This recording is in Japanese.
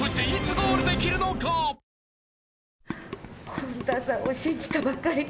本多さんを信じたばっかりに。